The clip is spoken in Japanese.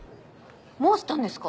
もうしたんですか？